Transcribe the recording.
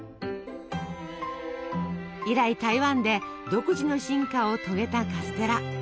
以来台湾で独自の進化を遂げたカステラ。